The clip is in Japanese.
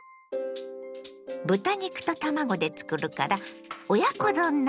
豚肉と卵で作るから親子丼ならぬ他人丼。